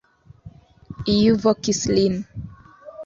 Iu vokis lin.